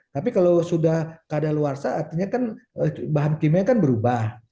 tapi kalau sudah kadeluarsa artinya kan bahan kimia kan berubah